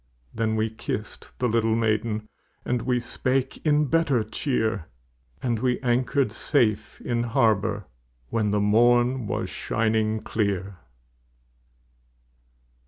Then we kissed the little maiden, And we spake in better cheer, And we anchored safe in harbor When the morn was shining clear.